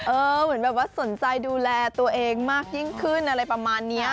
เหมือนแบบว่าสนใจดูแลตัวเองมากยิ่งขึ้นอะไรประมาณนี้